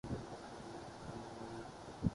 اُس کے اِکیاسی سالوں کے دادا جی کو اُس پر فخر ہے